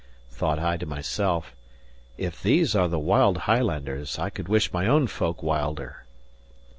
Thought I to myself: "If these are the wild Highlanders, I could wish my own folk wilder."